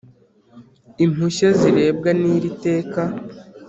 Impushya zirebwa n’iri teka